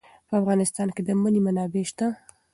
په افغانستان کې د منی منابع شته.